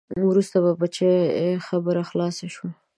وروسته په چای خبره خلاصه شوه.